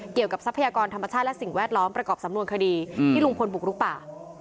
ทรัพยากรธรรมชาติและสิ่งแวดล้อมประกอบสำนวนคดีที่ลุงพลบุกลุกป่า